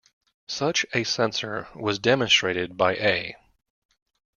Such a sensor was demonstrated by A.